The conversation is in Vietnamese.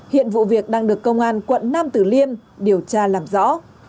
hiện vụ việc đang được công an quận nam tử liêm điều tra làm rõ